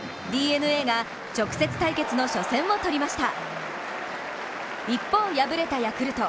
ＤｅＮＡが直接対決の初戦を取りました。